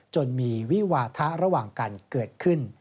จนมีวิวาทะระหว่างกันเกิดขึ้น